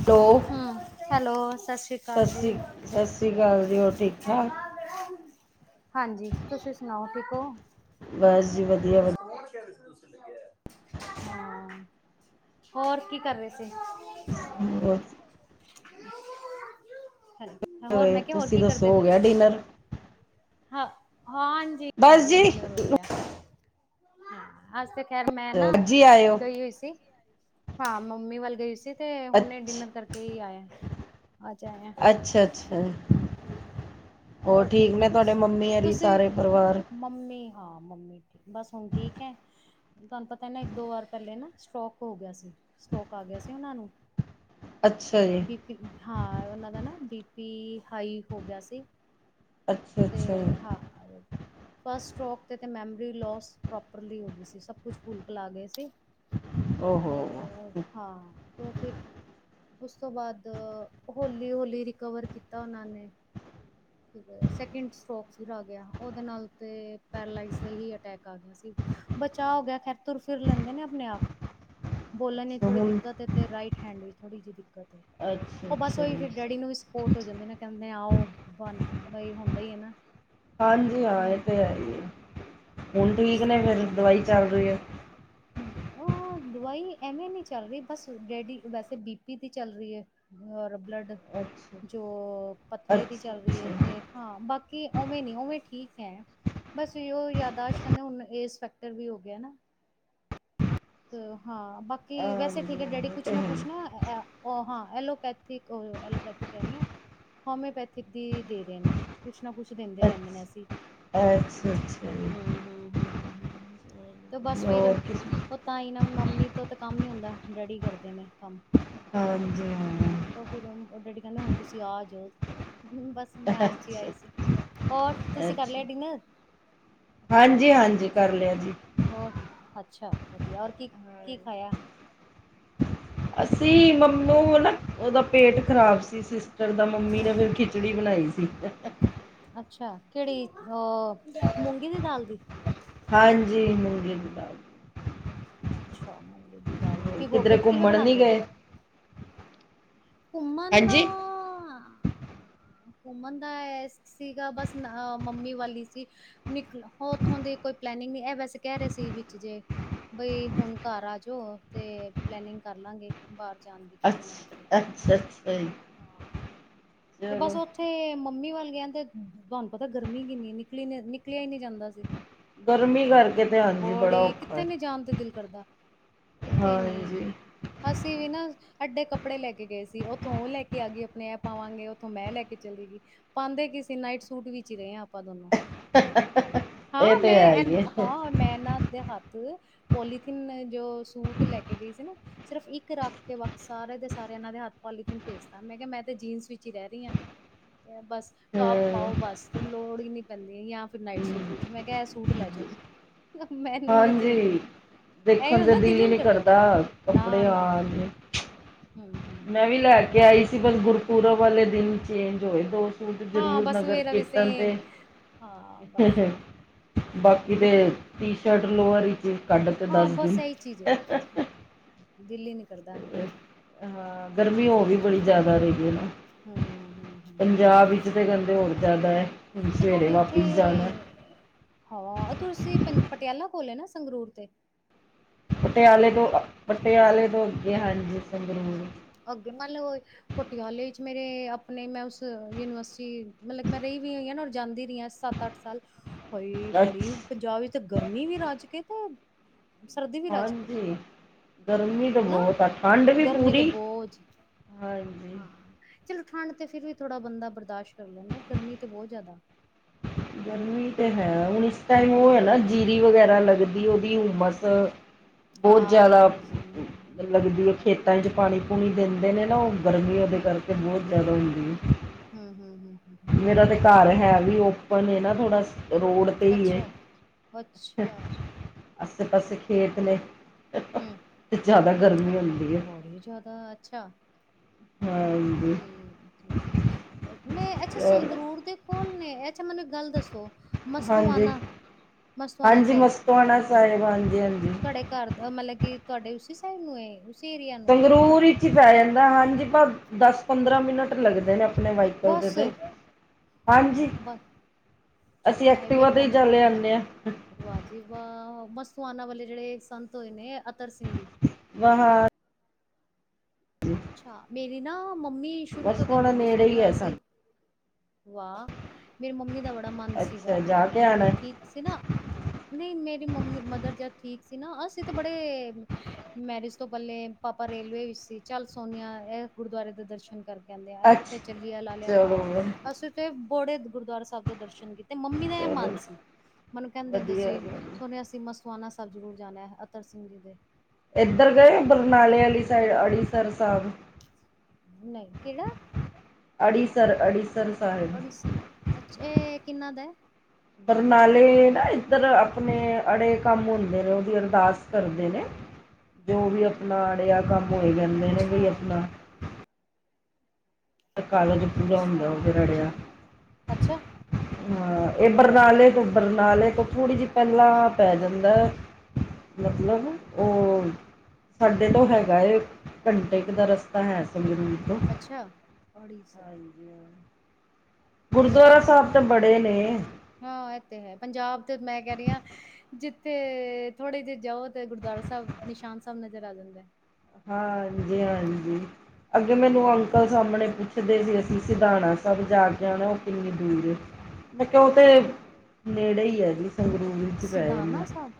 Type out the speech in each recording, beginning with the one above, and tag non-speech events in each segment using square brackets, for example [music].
Hello ਹਿਮ hello Sat Sri ਅਕਾਲ ਜੀ। ਸ਼੍ਰੀ ਸਤਿ ਸ਼੍ਰੀ ਅਕਾਲ ਜੀ ਹੋਰ ਠੀਕ ਠਾਕ ਹਾਂਜੀ ਤੁਸੀਂ ਸੁਣਾਓ ਠੀਕ ਔ? [inaudible] ਬਸ ਜੀ ਵਧੀਆ ਹਾਂ, ਹੋਰ ਕੀ ਕਰ ਰਹੇ ਸੀ? [inaudible] ਹੋਰ ਹੋਏ ਮੈਂ ਕਿਹਾ ਹੋਰ ਤੁਸੀਂ ਕੀ ਦੱਸੋ ਕਰਦੇ ਹੋ ਪੇ ਗਿਆ ਸੀ? ਡਿਨਰ ਹਾਂ ਹਾਂਜੀ ਬਸ ਹਾਂਜੀ ਜੀ ਡਿਨਰ ਹੋ ਗਿਆ। ਅੱਜ ਤੇ ਖੈਰ ਮੈਂ ਨਾ ਅੱਜ ਹੀ ਆਏ ਹੋ ਗਈ ਹੋਈ ਸੀ ਹਾਂ ਮੰਮੀ ਵੱਲ ਗਈ ਸੀ। ਤੇ ਹੁਣੇ ਅੱਛਾ ਡਿਨਰ ਕਰਕੇ ਹੀ ਆਏ ਆਂ ਆਜ ਆਏ ਆਂ। ਅੱਛਾ ਅੱਛਾ ਹੋਰ ਠੀਕ ਨੇ ਤੁਹਾਡੇ ਮੰਮੀ ਅਰੀ ਤੁਸੀਂ ਸਾਰੇ ਪਰਿਵਾਰ? ਮੰਮੀ ਹਾਂ ਮੰਮੀ ਬਸ ਹੁਣ ਠੀਕ ਏ? ਤੁਹਾਨੂੰ ਪਤਾ ਨਾ ਇੱਕ ਦੋ ਵਾਰ ਪਹਿਲੇ ਨਾ ਸਟ੍ਰੋਕ ਹੋ ਗਿਆ ਸੀ ਸਟ੍ਰੋਕ ਆ ਗਿਆ ਸੀ ਉਹਨਾਂ ਨੂੰ। ਅੱਛਾ ਜੀ। ਬੀ ਹਾਂ ਉਹਨਾਂ ਦਾ ਨਾ ਬੀ ਪੀ ਹਾਈ ਹੋ ਗਿਆ ਸ। ਅੱਛਾ ਤੇ ਅੱਛਾ ਜੀ। ਹਾਂ। ਫ਼ਸਟ ਸਟ੍ਰੋਕ ਤੇ, ਤੇ ਮੈਮਰੀ ਲੋਸ ਪ੍ਰੋਪਰਲੀ ਹੋ ਗਈ ਸੀ ਸਭ ਕੁਛ ਫੁਲ ਭੁਲਾ ਗਏ ਸੀ। ਤੇ ਓਹੋ ਹਾਂ ਤੇ ਫਿਰ ਉਸ ਤੋਂ ਬਾਅਦ ਹੌਲੀ ਹੌਲੀ ਰਿਕਵਰ ਕੀਤਾ ਉਹਨਾਂ ਨੇ। ਫਿਰ ਸੈਕਿੰਡ ਸਟਰੋਕ ਫਿਰ ਆ ਗਿਆ ਉਹਦੇ ਨਾਲ ਤੇ ਪੈਰਾਲਾਈਜ਼ ਦਾ ਹੀ ਅਟੈਕ ਆ ਗਿਆ ਸੀ। ਬਚਾਅ ਹੋ ਗਿਆ ਖੈਰ ਤੁਰ ਫਿਰ ਲੈਂਦੇ ਨੇ ਆਪਣੇ ਆਪ? ਬੋਲਣ ਵਿਚ ਅੱਛਾ ਥੋੜੀ ਹੁਣ ਦਿੱਕਤ ਏ ਤੇ ਰਾਈਟ ਹੈਂਡ ਵੀ ਥੋੜ੍ਹੀ ਜਿਹੀ ਦਿੱਕਤ ਏ। ਅੱਛਾ ਉਹ ਬਸ ਅੱਛਾ ਉਹੀ ਜੀ ਫੇਰ ਡੈਡੀ ਨੂੰ ਵੀ ਸਪੋਰਟ ਹੋ ਜਾਂਦੀ ਨਾ ਕਹਿੰਦੇ ਆਓ ਤੁਵਾਨ ਹੁੰਦਾ ਹੀ ਏ ਨਾ। ਹਾਂਜੀ ਹਾਂ ਕਹਿੰਦਾ ਇਹ ਤੇ ਹੈ ਹੁਣ ਠੀਕ ਬਸ ਨੇ ਫਿਰ ਦਵਾਈ ਚੱਲ ਰਹੀ ਹੈ? ਹ ਦਵਾਈ ਐਵੇਂ ਨੀ ਚੱਲ ਰਹੀ ਬਸ ਡੈਡੀ ਵੈਸੇ ਬੀਪੀ ਦੀ ਚੱਲ ਰਹੀ ਹੈ। ਔਰ ਬਲੱਡ ਅੱਛਾ ਜੋ ਪਤਲੇ ਦੀ ਅੱਛਾ ਚੱਲ ਰਹੀ ਹੈ ਅੱਛਾ ਤੇ ਹਾਂ ਬਾਕੀ ਉਵੇਂ ਨੀ ਉਵੇਂ ਠੀਕ ਹੈ। ਬਸ ਉਹ ਯਾਦਾਸ਼ਤ ਕਹਿੰਦੇ ਹੁਨ ਏਜ ਫੈਕਟਰ ਵੀ ਹੋ ਗਿਆ ਨਾ। ਹਾਂ ਬਾਕੀ ਵੈਸੇ ਠੀਕ ਹਾਂਜੀ ਏ ਹਾਂ ਡੈਡੀ ਇਹ ਕੁਛ ਤੇ ਨਾ ਕੁਛ ਹੈ ਨਾ ਹਾਂ ਐਲੋਪੈਥ [unintelligible] ਐਲੋਬੈਥਿਕ ਕਹਿ ਰਹੀ ਆਂ, ਹੋਮਿਓਪੈਥਿਕ ਦੀ ਦੇ ਰਹੇ ਨੇ ਕੁਛ ਨਾ ਕੁਛ ਦਿੰਦੇ ਰਹਿੰਦੇ ਅੱਛਾ ਨੇ ਅਸੀਂ ਅੱਛਾ ਅੱਛਾ ਜੀ ਹਮ ਹ ਤੇ ਬਸ ਫਿਰ ਹੋਰ ਕਿਸ ਉਹ ਤਾਂ ਨਾ ਮੰਮੀ ਤੋਂ ਤਾਂ ਕੰਮ ਨੀ ਹੁੰਦਾ ਡੈਡੀ ਕਰਦੇ ਨੇ ਕੰਮ ਹਾਂਜੀ ਹਾਂ ਤੇ ਫੇਰ ਹੁਨ ਡੈਡੀ ਕਹਿੰਦੇ ਹੁਣ ਤੁਸੀਂ ਆ ਜਾਓ ਬਸ। ਮੈਂ ਅੱਜ ਹੀ ਅੱਛਾ ਆਈ ਸੀ ਹੋਰ ਤੁਸੀਂ ਕਰ ਲਿਆ ਡਿਨਰ? ਹਾਂਜੀ-ਹਾਂਜੀ ਕਰ ਲਿਆ ਜੀ। ਹੋਰ ਅੱਛਾ ਵਧੀਆ ਹੋਰ ਕੀ ਕੀ ਖਾਇਆ? ਅਸੀਂ ਮੰਨੂ ਨਾ ਉਹਦਾ ਪੇਟ ਖ਼ਰਾਬ ਸੀ ਸਿਸਟਰ ਦਾ ਮੰਮੀ ਨੇ ਫਿਰ ਖਿਚੜੀ ਬਣਾਈ ਸੀ। [inaudible] ਅੱਛਾ ਕੇੜੀ ਅਹ ਮੂੰਗੀ ਦੀ ਦਾਲ ਦੀ? ਹਾਂਜੀ ਮੂੰਗੀ ਦੀ ਦਾਲ। ਅੱਛਾ ਮੂੰਗੀ ਦੀ ਦਾਲ ਦੀ ਪਿਗੋਕੇ ਕਿਧਰੇ ਕਿਵੇਂ ਘੁੰਮਣ ਨਹੀਂ ਬਣਾਉਦੇ ਹੋ? ਗਏ ਘੁੰਮੰਨ ਦਾ? ਹਾਂਜੀ ਘੁੰਮਣ ਦਾ ਸੀਗਾ ਬਸ ਅ ਮੰਮੀ ਵਾਲੀ ਸੀ ਨਿਕਲ ਉੱਥੋਂ ਦੀ ਕੋਈ ਪਲੈਨਿੰਗ ਨਹੀਂ ਇਹ ਵੈਸੇ ਕਹਿ ਰਹੇ ਸੀ ਵਿੱਚ ਜੇ ਬਈ ਹੁਣ ਘਰ ਆ ਜਾਓ ਤੇ ਪਲੈਨਿੰਗ ਕਰ ਲਾਂਗੇ ਬਾਹਰ ਜਾਣ ਦੀ ਕਿਤੇ ਨਾ ਕਿਤੇ ਅੱਛਾ ਹੋਰ ਅੱਛਾ ਅੱਛਾ ਜੀ ਹਾਂ ਤੇ ਚਲੋ ਬਸ ਉਥੇ ਤੇ ਮੰਮੀ ਵੱਲ ਗਿਆ ਤੇ ਤੁਹਾਨੂੰ ਪਤਾ ਗਰਮੀ ਕਿੰਨੀ ਨਿਕਲੀ ਨਿਕਲਿਆ ਹੀ ਨੀ ਜਾਂਦਾ ਸੀ ਗਰਮੀ ਕਰਕੇ ਤੇ ਹਾਂਜੀ ਬੜਾ ਬੋਡੀੀ ਔਖਾ ਕਿੱਥੇ ਹੈ ਨੇ ਜਾਣ ਤੇ ਦਿਲ ਕਰਦਾ ਕਿੱਥੇ ਨੀ ਹਾਂਜੀ ਅਸੀਂ ਵੀ ਨਾ ਅਡੇ ਕੱਪੜੇ ਲੈ ਕੇ ਗਏ ਸੀ ਉੱਥੋਂ ਉਹ ਲੈ ਕੇ ਆ ਗਈ ਆਪਣੇ ਆਪ ਆਵਾਂਗੇ ਇਥੋਂ ਮੈਂ ਲੈ ਕੇ ਚਲੀ ਗਈ ਪਾਉਂਦੇ ਕਿਸੇ ਨਾਈਟ ਸੂਟ ਵੀ ਹੀ ਰਹੇ ਹਾਂ ਆਪਾਂ ਦੋਨੋ ਇਹ ਹਾਂ ਤੇ ਹੈ ਮੈਂ ਹੀ ਹੈ ਹਾਂ ਮੈਂ ਨਾ ਦੇ ਹੱਥ ਪੋਲੀਥੀਨ ਜੋ ਸੂਟ ਲੈ ਕੇ ਗਈ ਸੀ ਨਾ ਸਿਰਫ਼ ਇੱਕ ਰੱਖ ਕੇ ਬਾਕੀ ਸਾਰੇ ਦੇ ਸਾਰੇ ਇਹਨਾਂ ਦੇ ਹੱਥ ਪੋਲੀਥੀਨ ਭੇਜਦਾ ਮੈਂ ਕਿਹਾ ਮੈਂ ਤੇ ਜੀਨਸ ਵਿੱਚ ਰਹਿ ਰਹੀ ਹਾਂ ਬਸ ਟੋਪ ਪਾਓ ਬਸ ਲੋੜ ਹੀ ਨਹੀਂੀ ਪੈਂਦੀ ਜਾਂ ਫਿਰ ਨਾਈਟ ਹਮ ਸੂਟ ਮੈਂ ਕਿਹਾ ਸੂਟ ਲੈ ਜਾਓ ਮੈਨੂੰ ਨੀ ਚਾਹੀਦੇ ਹਾਂਜੀ ਐ ਦੇਖਣ ਤੇ ਹੁੰਦਾ ਦਿਲ ਦਿੱਲ ਹੀ ਨ ਨਹੀਂ ਕਰਦਾ ਨਾ ਕੱਪੜੇ ਨਾ ਆਣ ਨੂੰ ਹਮ ਹਮ ਮੈਂ ਹਮ ਵੀ ਲੈ ਕੇ ਆਈ ਸੀ ਬਸ ਗੁਰਪੁਰਬ ਵਾਲੇ ਦਿਨ ਚੇਂਜ ਹੋਏ ਦੋ ਸੂਟ ਸੂਟ ਜ਼ਰੂਰ ਨਗਰ ਕੀਰਤਨ ਤੇ ਬਾਕੀ ਤੇ ਟੀ ਸ਼ਰਟ ਲੋਅਰ ਚ ਕੱਢ ਤੇ ਦੱਸ ਦਿਨ ਦਿੱਲ ਹੀ ਨਿ ਕਰਦਾ ਹਾਂ ਗਰਮੀ ਹੋਰ ਵੀ ਬੜੀ ਜ਼ਿਆਦਾ ਰਗੀ ਹੈ ਹੂੰ ਨਾ ਹੂੰ ਹੂੰ ਪੰਜਾਬ ਹੂੰ ਵਿੱਚ ਤੇ ਕਹਿੰਦੇ ਹੋਰ ਜ਼ਿਆਦਾ ਹੈ ਹੁਣ ਤੇ ਸਵੇਰੇ ਤੁਹਾਡੇ ਉੱਥੇ ਵਾਪਿਸ ਜਾਣਾ ਹਾਂ ਤੁਸੀਂ ਪੰ ਪਟਿਆਲਾ ਕੋਲ ਨਾ ਸੰਗਰੂਰ ਤੇ ਪਟਿਆਲੇ ਤੋਂ ਪਟਿਆਲੇ ਤੋਂ ਅੱਗੇ ਹਾ ਜੀ ਸੰਗਰੂਰ ਅੱਗ ਨਾਲੇ ਹੋਏ ਪਟਿਆਲੇ ਵਿੱਚ ਮੇਰੇ ਆਪਣੇ ਮੈਂ ਉਸ ਯੂਨੀਵਰਸਿਟੀ ਮਤਲਬ ਮੈਂ ਰਹੀ ਵੀ ਹੋਈ ਹਾਂਰ ਜਾਂਦੀ ਰਹੀ ਹਾਂ ਸੱਤ ਅੱਠ [unintelligible] ਹੋਈ ਅੱਛ ਬੜੀ ਪੰਜਾਬ ਵਿੱਚ ਤਾਂ ਗਰਮੀ ਵੀ ਰੱਜ ਕੇ ਤੇ ਸਰਦੀ ਵੀ ਰੱਜ ਕੇ ਹਾਂਜੀ ਗਰਮੀ ਤਾਂ ਹਨਾ ਬਹੁਤ ਆ ਠੰਡ ਵੀ ਗਰਮੀ ਤੇ ਪੂਰੀ ਬਹੁਤ ਹਾਂਜੀ। ਹਾਂ, ਚਲੋ ਠੰਡ ਤੇ ਫਿਰ ਵੀ ਥੋੜਾ ਬੰਦਾ ਬਰਦਾਸ਼ਤ ਕਰ ਲੈਂਦਾ ਗਰਮੀ ਤੇ ਬਹੁਤ ਜ਼ਿਆਦਾ ਗਰਮੀ ਤੇ ਹਾਏ ਹੈ ਹੁਣ ਇਸ ਟਾਈਮ ਉਹ ਹਨਾ ਹੈ ਨਾ। ਜੀਰੀ ਵਗੈਰਾ ਲੱਗਦੀ ਉਹਦੀ ਉਮਸ ਬਹੁਤ ਜ਼ਿਆਦਾ ਹਾਂਜੀ ਲੱਗਦੀ ਹੈ ਖੇਤਾਂ ਚ ਪਾਣੀ ਪੂਣੀ ਦਿੰਦੇ ਨੇ ਨਾ ਉਹ ਗਰਮੀ ਉਹਦੇ ਕਰਕੇ ਬਹੁਤ ਜਿਆਦਾ ਹੁੰਦੀ ਹੈ। [unintelligible] ਮੇਰਾ ਤੇ ਘਰ ਹੈ ਵੀ ਓਪਨ ਨਾ ਥੋੜਾ। ਰੋਡ ਤੇ ਹੀ ਅੱਛਾ ਹੈ ਅੱਛਾ ਆਸੇ ਪਾਸੇ ਖੇਤ ਨੇ ਹੂੰ ਤੇ ਜ਼ਿਆਦਾ ਗਰਮੀ ਹੁੰਦੀ ਹੈ ਬੜੀ ਜ਼ਿਆਦਾ ਹਾਂ। ਤੇ, ਠੀਕ ਮੈਂ ਅੱਛਾ ਔਰ ਸੰਗਰੂਰ ਦੇ। ਪੁੱਲ ਨੇ ਅੱਛਾ ਮੈਨੂੰ ਇੱਕ ਗੱਲ ਦੱਸੋ? ਹਾਂਜੀ ਮਸਤੋਅਣਾ ਮਸਤੂਆਣਾ ਹਾਂਜੀ ਸਾਹਿਬ ਮਸਤੋਆਣਾ ਸਾਹਿਬ ਹਾਂਜੀ ਹਾਂਜੀ ਤੁਹਾਡੇ ਘਰ ਦਾ ਮਤਲਬ ਕਿ ਤੁਹਾਡੇ ਉਸਸੀ ਸਾਈਡ ਨੂੰ। ਉਸੀ ਏਰੀਆ ਨੂੰ ਸੰਗਰੂਰ ਵਿੱਚ ਹੀ ਪੈ ਜਾਂਦਾ ਹਾਂਜੀ ਬਸ ਦਸ ਪੰਦਰਾਂ ਮਿੰਟ ਲੱਗਦੇ ਨੇ ਆਪਣੇ ਵਾਈਕਲ ਦੇ ਬਸ ਤੇ ਹਾਂਜੀ ਬਸ ਅੱਛਾ ਅਸੀਂ ਐਕਟਿਵਾ ਤੇ ਹੀ ਚ ਲ ਆਦੇ ਹਾਂ ਵਾਹਜੀ ਵਾਹ ਮਸਤੂਆਨਾ ਵਾਲੇ ਜਿਹੜੇ ਸੰਤ ਹੋਏ ਨੇ ਅਤਰ ਸਿੰਘ ਜੀ ਬਾਹਰ [unintelligible] ਅੱਛਾ, ਮੇਰੀ ਨਾ ਮੰਮੀ ਸ਼ੁਰੂ ਬਸ ਤੋਂ ਕਹਿੰਦੇ ਥੋੜਾ ਹੁੰਦੇ ਨੇੜੇ ਹੀ ਸੋਨੀਆ ਹੈ ਸੀ। ਸਾਨੂੰ ਵਾਹ! ਮੇਰੀ ਮੰਮੀ ਦਾ ਬੜਾ ਮਨ ਸੀਗਾ ਅੱਛਾ ਜਾ ਕੇ ਆਣਾ ਮਤਲਬ ਠੀਕ ਸੀ ਨਾ। ਨਹੀਂ ਮੇਰੀ ਮੰਮੀ, ਮਦਰ ਜਦ ਠੀਕ ਸੀ ਨਾ, ਅਸੀਂ ਤੇ ਬੜੇ। ਮੈਰਿਜ ਤੋਂ ਪਹਿਲੇ ਪਾਪਾ ਰੇਲਵੇ ਵਿੱਚ ਸੀ। ਚੱਲ ਸੋਨੀਆ ਇਹ ਗੁਰਦੁਆਰੇ ਦੇ ਦਰਸ਼ਨ ਕਰਕੇ ਆਉਂਦੇ ਆ। ਇਹ ਇੱਥੇ ਚੱਲੀਏ ਲਾ ਅੱਛਾ ਲਿਆ ਚਲੋ ਹਾਂ ਅਸੀਂ। ਤੇ ਬੜੇ ਗੁਰਦੁਆਰਾ ਸਾਹਿਬ ਦੇ ਦਰਸ਼ਨ ਕੀਤੇ ਮੰਮੀ ਦਾ ਇਹ ਚਲੋ ਮਨ ਸੀ ਮੈਨੂੰ ਕਹਿੰਦੇ ਹੁੰਦੇ ਵਧੀਆ ਸੀ। ਹੁਣ ਅਸੀਂ ਮਸਵਾਣਾ ਸਾਹਿਬ ਜ਼ਰੂਰ ਜਾਣਿਆ ਅਤਰ ਸਿੰਘ ਜੀ ਦੇ। ਇੱਧਰ ਗਏ ਬਰਨਾਲੇ ਵਾਲੀ ਸਾਈਡ ਅੰੜ੍ਰਿਸਰ ਸਾਹਿਬ? ਨਹੀਂ ਕਿਹੜਾ? ਆੜੀਸਰ ਅੜੀਸਰ। ਸਾਹਿਬ ਅਡੀਸਰ ਅੱਛਾ ਇਹ ਕਿੰਨਾ ਦਾ ਏ? ਬਰਨਾਲੇ ਨਾ ਇੱਧਰ ਆਪਣੇ ਅੜੇ ਕੰਮ ਹੁੰਦੇ ਨੇ ਉਹਦੀ ਅਰਦਾਸ ਕਰਦੇ ਨੇ। ਜੋ ਵੀ ਆਪਣਾ, ਅੜੇਆ ਕੰਮ ਹੋਏ ਕਹਿੰਦੇ ਨੇ ਅੱਛਾ ਵੀਈ ਆਪਣਾ। ਕਾਰਜ ਪੂਰਾ ਅੱਛਾ ਹੁੰਦਾ ਉਹਦੇ ਰੜਿਆ ਅ। ਅੱਛਾ ਇਹ ਬਰਨਾਲੇ ਤੋਂ ਬਰਨਾਲੇ ਤੋਂ ਥੋੜ੍ਹੀ ਜਿਹੀ ਪਹਿਲਾਂ। ਪੈ ਜਾਂਦਾ ਮਤਲਬ ਉਹ। ਸਾਡੇ ਤੋਂ ਹੈਗਾ ਏ ਘੰਟੇ ਕੁ ਦਾ ਰਸਤਾ ਹੈ। ਤੋਂ ਅੱਛਾ, ਅੜਿਸਰ। ਹਾਂਜੀ ਗੁਰਦੁਆਰਾ ਠੀਕ ਸਾਹਿਬ ਤੇ ਬੜੇ ਨੇ। ਹਾਂ, ਇਹ ਤੇ ਹੈ ਪੰਜਾਬ ਤੇ ਮੈਂ ਕਹਿ ਰਹੀ ਹਾਂ। ਜਿੱਥੇ ਥੋੜੇ ਜਿਹੇ ਜਾਓ ਤੇ ਗੁਰਦੁਆਰਾ ਸਾਹਿਬ ਨਿਸ਼ਾਨ ਸਾਹਿਬ ਨਜ਼ਰ ਆ ਜਾਂਦਾ। ਹਾਂਜੀ ਹਾਂਜੀ, ਅੱਗੇ ਮੈਨੂੰ ਹੈ ਅੰਕਲ ਸਾਹਮਣੇ ਪੁੱਛ। ਸੀ ਅਸੀਂ ਸਿਧਾਣਾ ਸਾਹਿਬ ਜਾ ਕੇ ਆਣਾ ਉਹ ਕਿੰਨੀ ਦੂਰ ਏ ਮੈਂ ਕਿਹਾ ਉਹ ਤੇ। ਸਿ ਨੇੜੇ ਹੀ ਹੈ ਜੀ ਸੰਗਰੂਰ ਵਿੱਚ ਪੈ ਜਾਂਦਾ ਸਿਧਾਨਾ ਸਾਹਿਬ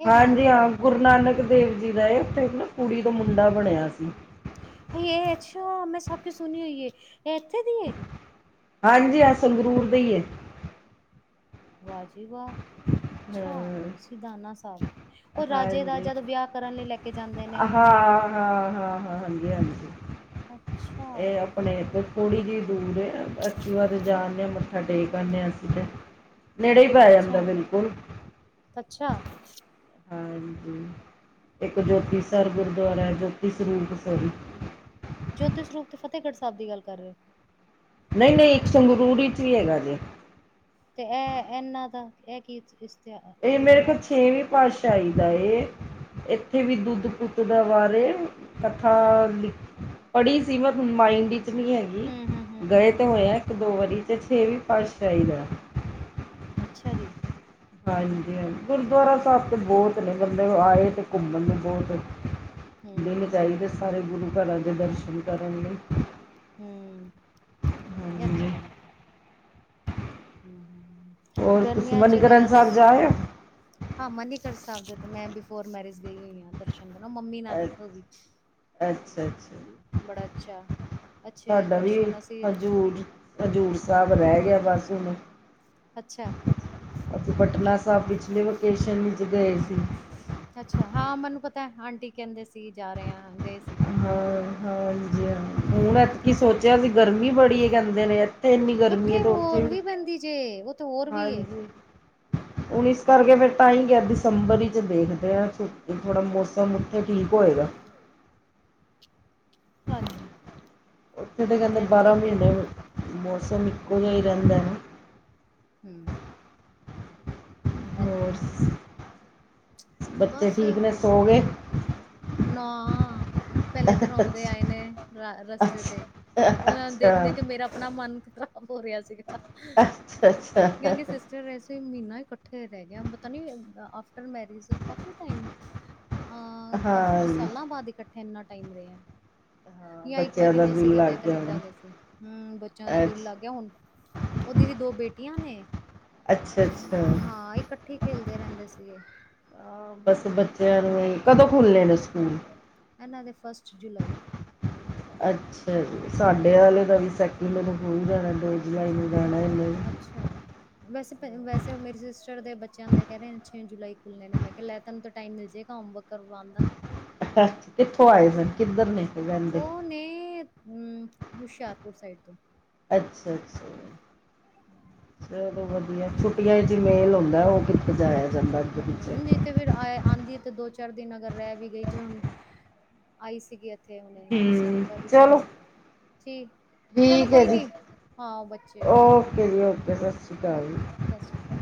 ਇਹ ਕਿੰਨਾ ਦਾ ਹਾਂਜੀ ਹੈ ਹਾਂ। ਗੁਰੂ ਨਾਨਕ ਦੇਵ ਜੀ ਦਾ ਇਹ ਉੱਥੇ ਕੁੜੀ ਦਾ ਮੁੰਡਾ ਬਣਿਆ ਸੀ। ਹਾਏ ਇਹ ਅੱਛਾ, ਮੈਂ ਸਭ ਕੁ ਸੁਣਿਆ ਇ ਏ ਇਹ ਇੱਥੇ ਦੀਏ? ਹਾਂਜੀ ਹਾਂ ਸੰਗਰੂਰ ਦੇ ਏ। ਵਾਹ ਜੀ ਵਾਹ। ਅੱਛਾ ਹਾਂ ਸਿਧਾਨਾ ਸਾਹਿਬ ਉਹ ਰਾਜੇ ਹਾਂਜੀ ਰਾਜਾ ਦਾ ਵਿਆਹ ਕਰਨ ਲਈ ਲੈ ਕੇ ਜਾਂਦੇ ਨੇ। ਹਾਂ ਹਾਂ ਹਾਂ ਹ ਹਾਂਜੀ ਹਾਂਜੀ। ਅੱਛਾ। ਇਹ ਆਪਣੇ ਏਧਰ ਥੋੜ੍ਹੀ ਜਿਹੀ ਦੂਰ ਆ ਐਕਟੀਵਾ ਤੇ ਜਾ ਕੇ ਮੱਥਾ ਟੇਕ ਆਉਦੇ ਹਾਂ ਅਸੀਂ ਤੇ। ਅੱਛਾ ਅੱਛਾ। ਹਾਂਜੀ ਇੱਕ ਜੋਤੀ ਸਰ ਗੁਰਦੁਆਰਾ ਹੈ। ਜੋਤੀ ਸਰੂਪ ਸਰ। ਜੋਤੀ ਸਰੂਪ ਤੇ ਫਤਿਹਗੜ੍ਹ ਸਾਹਿਬ ਦੀ ਗੱਲ ਕਰ ਰਹੇ ਹੋ। ਨਹੀਂ, ਨਹੀਂ ਇੱਕ ਸੰਗਰੂਰ 'ਚ ਵੀ ਹੈਗਾ ਜੇ। ਤੇ ਇਹ ਇਨਾਂ ਦਾ ਇਹ ਕੀ। ਇਸ਼ਤਿਹਾ ਇਹ ਮੇਰੇ ਖਿਆਲ ਇਤਿਹਾਸ ਛੇਵੀਂ ਪਾਤਸ਼ਾਹੀ ਦਾ ਏ। ਇੱਥੇ ਵੀ ਦੁੱਧ ਪੁੱਤ ਦੇ ਬਾਰੇ ਕਥਾ ਲਿਖ। ਪੜੀ ਸੀ ਬਟ ਹੁਣ ਮਾਈੰਡ ਵਿੱਚ ਨਹੀਂ ਹੈਗੀ ਹੂੰ ਹੂੰ ਹੂੰ ਗਏ ਹੂੰ ਤਾਂ ਹੂੰ ਹੋਏ ਆ। ਇੱਕ ਦੋ ਵਾਰੀ ਤੇ ਛੇਵੀ ਪਾਤਸ਼ਾਹੀ ਦਾ। ਅੱਛਾ ਜੀ। ਹਾਂਜੀ ਹਾਂਜੀ ਗੁਰਦੁਆਰਾ ਸਾਹਿਬ ਤੇ ਬਹੁਤ ਨੇ ਬੰਦੇ ਆਏ ਤੇ ਘੁੰਮਣ ਲਈ ਬਹੁਤ। ਦਿਨ ਚਾਹੀਦੇ ਹੈ ਹੂੰ ਸਾਰੇ ਗੁਰੂ ਘਰਾਂ ਦੇ ਦਰਸ਼ਨ ਕਰਨ ਲਈ। ਹੂੰ, ਤੇ ਹਾਂਜੀ ਹੈ। ਹੋਰ ਤੁਸੀਂ ਗਰਮੀਆਂ ਚ ਮਨੀਕਰਨ ਜਾ ਤੇ। ਸਾਹਿਬ ਆਏ ਹੋ ਹਾਂ ਮਨੀਗੜ੍ਹ ਸਾਹਿਬ ਦੇ ਮੈਂ ਬਿਫੋਰ ਮੈਰਿਜ ਗਈ ਹੋਈ ਹਾਂ ਦਰਸ਼ਨ। ਮੰਮੀ ਨਾ ਦੀ ਹੋਗਈ ਅੱਛਾ ਅੱਛਾ ਜੀ ਹਮ ਬੜਾ ਅੱਛਾ। ਅੱਛੇ ਸਾਡਾ ਵੀ ਦਰਸ਼ਨ ਅਸੀਂ ਹਜ਼ੂਰ ਹਜ਼ੂਰ ਸਾਹਿਬ ਰਹਿ ਗਿਆ ਬਸ ਹੁਣ ਅੱਛਾ ਉਥੇ ਪਟਨਾ ਸਾਹਿਬ ਪਿਛਲੇ ਵਕੇਸ਼ਨ ਵਿੱਚ ਗਏ ਸੀ। ਅੱਛਾ ਹਾਂ ਮੈਨੂੰ ਪਤਾ ਆਂਟੀ ਕਹਿੰਦੇ ਸੀ ਜਾ ਰਹੇ ਹਾਂ ਗਏ ਸੀ। ਹਾਂ ਹਾਂ ਹਾਂਜੀ ਹਾਂਜੀ। ਅਸੀਂ ਅੱਛਾ ਸੋਚਿਆ ਸੀ ਗਰਮੀ ਬੜੀ ਕਹਿੰਦੇ ਨੇ ਇੱਥੇ ਇੰਨੀ ਗਰਮੀ ਹੈ ਤੇ ਉੱਥੇ। ਧੁੱਪ ਵੀ ਪੈਂਦੀ ਜੇ ਉੱਥੇ ਹੋਰ ਵੀ ਏ। ਹਾਂਜੀ ਹੁਣ ਇਸ ਕਰਕੇ ਫਿਰ ਤਾਂ ਹੀ ਕਿਹਾ ਦਸੰਬਰ ਹੀ ਵਿੱਚ ਦੇਖਦੇ। ਤੇ ਇਹ ਥੋੜ੍ਹਾ ਮੌਸਮ ਉੱਥੇ ਠੀਕ ਹੋਏਗਾ। ਹਾਂ। ਹਾਂਜੀ। ਉੱਥੇ ਤਾਂ ਕਹਿੰਦੇ ਇੱਥੇ ਬਾਰ੍ਹਾਂ ਕਰੋ। ਮਹੀਨੇ ਮੌਸਮ ਇੱਕੋ ਜਿਹਾ ਹੀ ਰਹਿੰਦਾ ਨਾ। ਹੂੰ। ਐ ਤੇ ਹੋਰ ਹੈ ਬੱਚੇ ਬਸ ਠੀਕ ਨੇ ਸੌ ਗਏ। ਨਾ ਪਹਿਲੇ ਤੇ ਰੋਂਦੇ ਆਏ ਨੇ ਰਸਤੇ ਅੱਛਾ ਤੇ। ਉਹਨਾਂ ਨੂੰ ਦੇਖਦੇ ਅੱਛਾ ਦੇਖਦੇ ਮੇਰਾ ਆਪਣਾ ਮਨ ਖ਼ਰਾਬ ਹੋ ਰਿਹਾ ਸੀਗਾ। ਅੱਛਾ ਅੱਛਾ। ਚਲੋ ਵੈਸੇ ਮਹੀਨਾ ਇਕੱਠੇ ਰਹਿ ਗਿਆ ਪਤਾ ਨੀ ਆਫਟਰ ਮੈਰਿਜ ਕਾਫੀ ਟਾਈਮ। ਅਹ ਕਾਫੀ ਹਾਂ ਜੀ ਸਾਲਾਂ ਬਾਅਦ ਇਕੱਠੇ ਇੰਨਾ ਟਾਈਮ ਰਹੇ ਆ। ਹਾਂ ਜਾਂ ਇੱਕ ਬੱਚਿਆਂ ਵਾਰੀ ਦਾ ਰਹੇ ਸੀ। ਦਿਲ ਜਦ ਲੱਗ ਇਹ ਗਿਆ ਕਨੇਡਾ ਹੋਣਾ ਗਏ ਸੀ। ਹੂੰ ਬੱਚਿਆਂ ਦਾ ਦਿਲ ਅੱਛਾ ਲੱਗ ਗਿਆ ਹੁਣ। ਉਹਦੇ ਵੀ ਦੋ ਬੇਟੀਆਂ ਨੇ ਅੱਛਾ ਅੱਛਾ ਹਾਂ ਇਕ। ਇੱਕਠੇ ਖੇਲਦੇ ਰਹਿੰਦੇ ਸੀ ਇਹ। ਹਾਂ ਬਸ ਬੱਚਿਆਂ ਨੂੰ ਕਦੋਂ ਖੋਲੇਨੇ ਸਕੂਲ। ਇਹਨਾਂ ਦੇ ਫਸਟ ਜੁਲਾਈ। ਅੱਛਾ ਜੀ ਸਾਡੇ ਵਾਲੇ ਦਾ ਵੀ ਸੈਕਿੰਡ ਨੂੰ ਖੁੱਲ ਜਾਣਾ ਦੋ ਜੁਲਾਈ ਨੂੰ ਜਾਣਾ ਇਹਨੇ। ਅੱਛਾ। ਵੈਸੇ ਵੈਸੇ ਉਹ ਮੇਰੇ ਸਿਸਟਰ ਦੇ ਬੱਚਿਆਂ ਦੇ ਕਹਿ ਰਹੇ ਨੇ ਛੇ ਜੁਲਾਈ ਖੁੱਲ੍ਹਣੇ ਨੇ ਮੈਂ ਕਿਹਾ ਲੈ ਤੁਹਾਨੂੰ ਤਾਂ ਟਾਈਮ ਮਿਲ ਜਾਏਗਾ ਹੋਮਵਰਕ। ਕਰਵਾਉਣ ਦਾ ਹੈ। ਕਿੱਥੋਂ ਆਏ ਸਨ ਕਿੱਧਰ ਨੇ। ਕੇ ਰਹਿੰਦੇ ਉਹ ਨੇ ਅ ਹੁਸ਼ਿਆਰਪੁਰ ਸਾਈਡ ਤੋਂ। ਅੱਛਾ ਅੱਛਾ ਚਲੋ ਵਧੀਆ। ਛੁੱਟੀਆਂ 'ਚ ਹੀ ਮੇਲ ਹੁੰਦਾ ਉਹ ਵੀ। ਜਾਇਆ ਜਾਂਦਾ ਹੈ। ਹੂੰ। ਤੇ ਫਿਰ ਆ ਆਉਂਦੀ ਤੇ ਦੋ ਚਾਰ ਦਿਨ ਅਗਰ ਰਹਿ ਵੀ ਗਈ ਜਿਵੇਂ ਹੁਣ ਆਈ ਸੀਗੀ। ਇੱਥੇ ਹੁਣੇ ਹੂੰ ਦਸੰਬਰ ਵਿੱਚ ਆਈ ਚਲੋ ਸੀ। ਠੀਕ। ਚਲੋ ਠੀਕ ਹੈ ਕੋਈ ਜੀ ਨੀ ਹਾਂ ਉਹ ਬੱਚੇ ਵੀ ਓਕੇ ਜੀ ਓਕੇ ਸਤਿ ਸ਼੍ਰੀ ਅਕਾਲ ਓਕੇ ਸਤਿ ਸ੍ਰੀ ਅਕਾਲ।